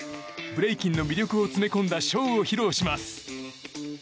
ブレイキンの魅力を詰め込んだショーを披露します。